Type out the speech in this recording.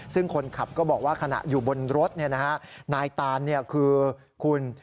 ซึ่งคนขับก็บอกว่าขณะอยู่บนรถนายตานคือคุณ